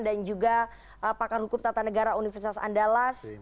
dan juga pakar hukum tata negara universitas andalas